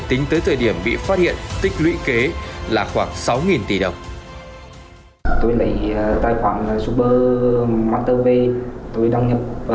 tính tới thời điểm bị phát hiện tích lũy kế là khoảng sáu tỷ đồng